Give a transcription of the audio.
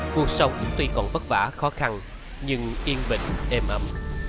cuộc sống tuy còn vất vả khó khăn nhưng yên bình êm ấm